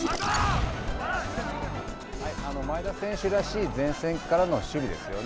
前田選手らしい前線からの守備ですよね。